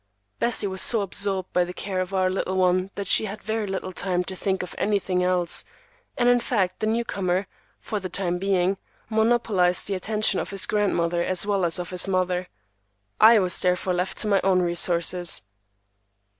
Bessie was so absorbed by the care of our little one that she had very little time to think of anything else, and in fact the new comer, for the time being, monopolized the attention of his grandmother as well as of his mother. I was therefore left to my own resources.